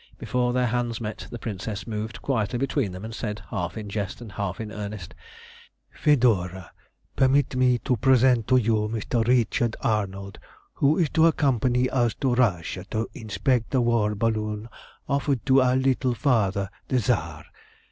Before their hands met the Princess moved quietly between them and said, half in jest and half in earnest "Fedora, permit me to present to you Mr. Richard Arnold, who is to accompany us to Russia to inspect the war balloon offered to our Little Father the Tsar.